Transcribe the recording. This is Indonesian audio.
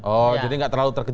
oh jadi nggak terlalu terkejut